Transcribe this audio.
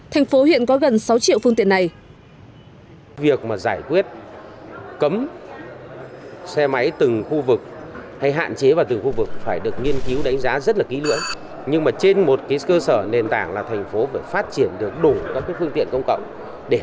thành phố hiện có gần sáu triệu phương tiện này